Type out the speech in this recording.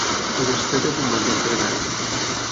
Ullastret es un bon lloc per anar-hi